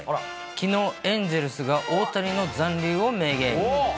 きのう、エンゼルスが大谷の残留を明言。